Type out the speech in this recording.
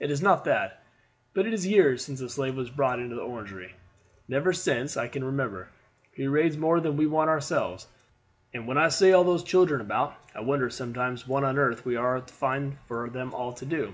It is not that, but it is years since a slave was brought into the Orangery; never since I can remember. We raise more than we want ourselves; and when I see all those children about, I wonder sometimes what on earth we are to find for them all to do.